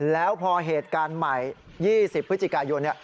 แล้วพอเหตุการณ์ใหม่๒๐พฤศจิกายน